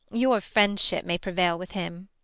Your friendship may prevail with him. Luc.